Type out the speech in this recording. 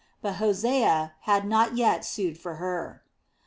But Hosea had not yet sued for her.